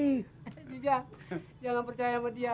indonesia jangan percaya sama dia